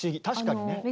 確かにね。